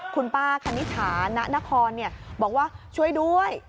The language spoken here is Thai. คุณป้าคันนิสฉานะนะคอนเนี่ยบอกว่าช่วยด้วย